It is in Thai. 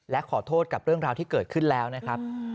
และขอโทษกับเรื่องราวที่เกิดขึ้นแล้วนะครับ